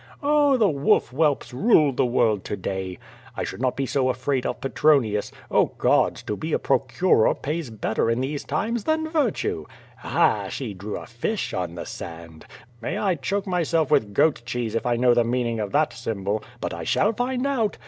Oh, the wolf whelps rule the world to day! I should not be so afraid of Petronius. Oh, Gods! to be a procurer pays better in these times than virtue. Ah! she drew a fish on the sand. May I choke my self with goat's cheese if I know the meaning of that symbol. But I shall find out!